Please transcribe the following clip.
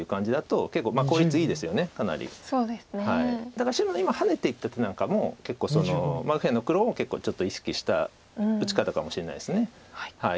だから白の今ハネていった手なんかも結構右辺の黒を結構ちょっと意識した打ち方かもしれないです。